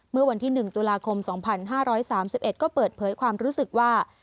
เมื่อวันที่หนึ่งตุลาคมสองพันห้าร้อยสามสิบเอ็ดก็เปิดเผยความรู้สึกว่า